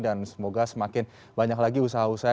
dan semoga semakin banyak lagi usaha usaha